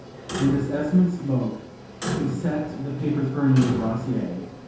And as Esmond spoke he set the papers burning in the brazier.